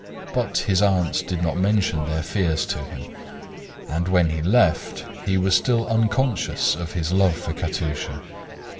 But his aunts did not mention their fears to him; and, when he left, he was still unconscious of his love for Katusha.